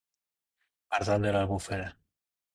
Pardal de l'Albufera.